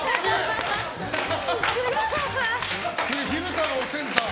昼太郎センター。